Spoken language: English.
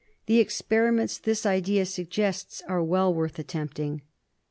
The experiments this idea suggests are well worth attempting.